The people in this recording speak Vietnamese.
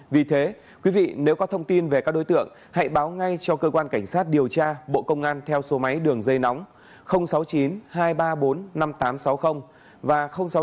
vì thế quý vị nếu có thông tin về các đối tượng hãy báo ngay cho cơ quan cảnh sát điều tra bộ công an theo số máy đường dây nóng sáu mươi chín hai trăm ba mươi bốn năm nghìn tám trăm sáu mươi và sáu mươi chín hai trăm ba mươi một một nghìn sáu trăm